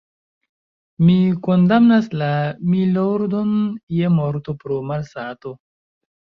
Mi kondamnas la _milordon_ je morto pro malsato.